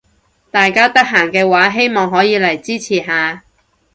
大家得閒嘅話希望可以嚟支持下